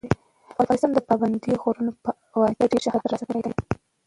افغانستان د پابندي غرونو په واسطه ډېر شهرت ترلاسه کړی دی.